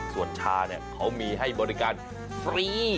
ส่วนชาเนี่ยเขามีให้บริการฟรี